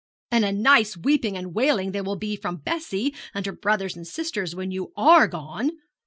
'And a nice weeping and wailing there will be from Bessie and her brothers and sisters when you are gone!'